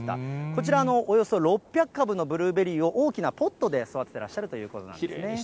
こちら、およそ６００株のブルーベリーを大きなポットで育ててらっしゃるきれいにしてるなぁ。